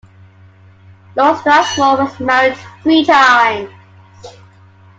Lord Strathmore was married three times.